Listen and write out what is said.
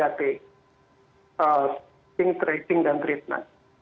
yaitu pemerintah belum maksimal melakukan tiga t